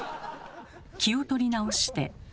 気を取り直して。